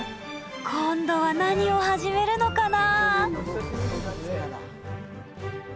今度は何を始めるのかな？